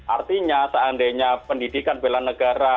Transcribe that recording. artinya seandainya pendidikan bela negara